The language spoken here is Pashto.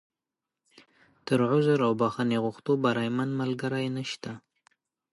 تر عذر او بښنې غوښتو، بریمن ملګری نشته.